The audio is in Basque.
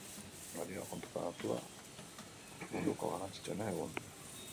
Balioa kontuan hartuta, munduko garrantzitsuena, egun.